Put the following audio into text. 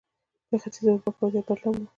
په ختیځه اروپا کې وضعیت بل ډول و.